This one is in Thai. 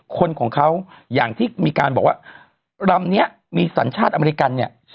คนของเขาอย่างที่มีการบอกว่าลำนี้มีสัญชาติอเมริกันเนี่ย